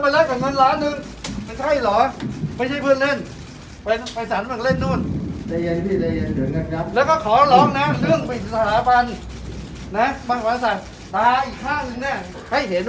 แล้วก็ไปเล่นกับเงินล้านหนึ่งไม่ใช่เหรอไม่ใช่เพื่อนเล่น